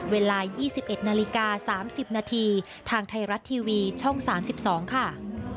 เวลา๒๑นาฬิกา๓๐นาทีทางไทยรัฐทีวีช่อง๓๒ค่ะ